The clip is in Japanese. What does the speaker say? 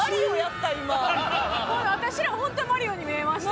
私らホントにマリオに見えました。